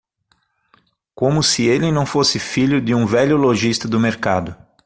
Como se ele não fosse filho de um velho lojista do mercado!